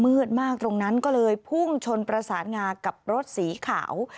มากตรงนั้นก็เลยพุ่งชนประสานงากับรถสีขาว